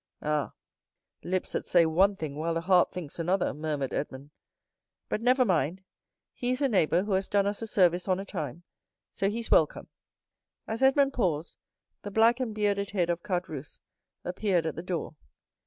"Ah, lips that say one thing, while the heart thinks another," murmured Edmond. "But, never mind, he is a neighbor who has done us a service on a time, so he's welcome." As Edmond paused, the black and bearded head of Caderousse appeared at the door.